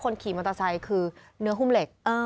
คนขี่มอเตอร์ไซค์คือเนื้อหุ้มเหล็ก